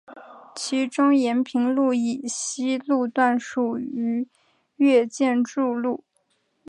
其中延平路以西路段属于越界筑路。